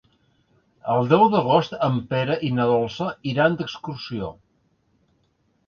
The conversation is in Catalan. El deu d'agost en Pere i na Dolça iran d'excursió.